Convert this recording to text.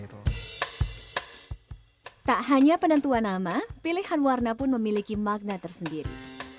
tak hanya penentuan nama pilihan warna pun memiliki makna tersendiri